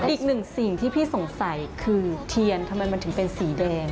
อีกหนึ่งสิ่งที่พี่สงสัยคือเทียนทำไมมันถึงเป็นสีแดง